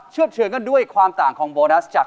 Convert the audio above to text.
เชื่อบเชือกันด้วยความต่างของโบนัส